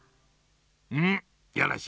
うんよろしい。